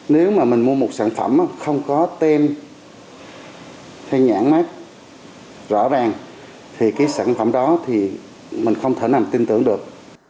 nếu mà mình mua một sản phẩm không có tem hay nhãn mát rõ ràng thì cái sản phẩm đó thì mình không thể nào tin tưởng được